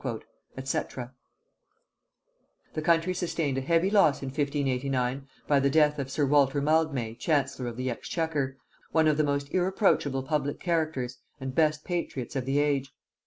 The country sustained a heavy loss in 1589 by the death of sir Walter Mildmay chancellor of the exchequer, one of the most irreproachable public characters and best patriots of the age.